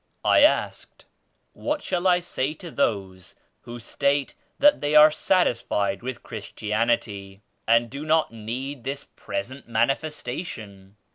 I asked "What shall I say to those who state that they are satisfied with Christianity and do not need this present Manifestation?"